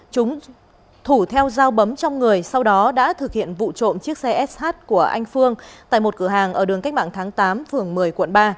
chúng thủ theo dao bấm trong người sau đó đã thực hiện vụ trộm chiếc xe sh của anh phương tại một cửa hàng ở đường cách mạng tháng tám phường một mươi quận ba